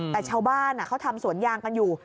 แต่ชาวบ้านเขาทำสวนยางกันอยู่